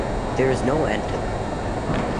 There is no end to them!